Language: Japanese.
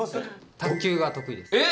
卓球が得意ですえっ！